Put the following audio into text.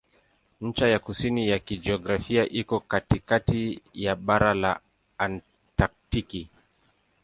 Ncha ya kusini ya kijiografia iko katikati ya bara la Antaktiki.